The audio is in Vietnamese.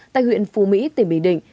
tại huyện phù mỹ tỉnh bình định